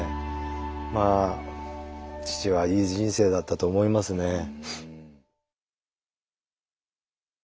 まあ父はいい人生だったと思いますね。